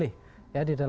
kehidupan kita agendal